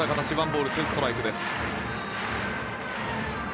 １ボール２ストライクです。